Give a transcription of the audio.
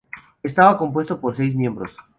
Estaba compuesto por seis miembros.